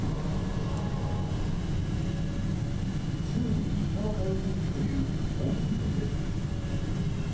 週に３日は通っているというコーヒー店です。